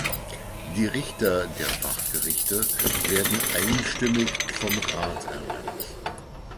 Die Richter der Fachgerichte werden einstimmig vom Rat ernannt.